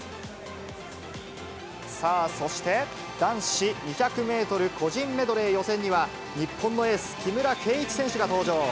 さあ、そして男子２００メートル個人メドレー予選には日本のエース、木村敬一選手が登場。